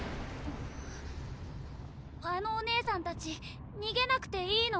あのお姉さんたちにげなくていいの？